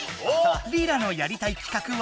リラのやりたい企画は。